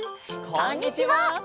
こんにちは！